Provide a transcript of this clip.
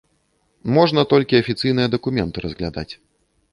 Можна толькі афіцыйная дакументы разглядаць.